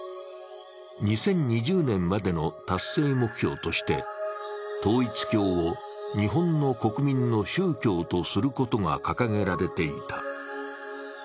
２０２０年までの達成目標として、統一教を日本の国民の宗教とすることが掲げられていた。